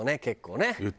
結構ね。